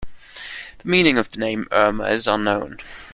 The meaning of the name Irma is unknown.